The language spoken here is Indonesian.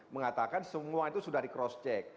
mengatakan semua itu sudah di cross check